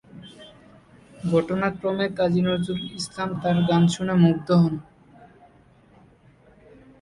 ঘটনাক্রমে কাজী নজরুল ইসলাম তার গান শুনে মুগ্ধ হন।